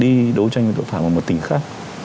đi đấu tranh với tội phạm ở một tỉnh khác